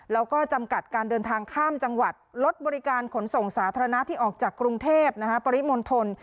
แล้วก็จำกัดการเดินทางข้ามจังหวัดลดบริการขนส่งสาธารณะที่ออกจากกรุงเทพฯปริมณฑล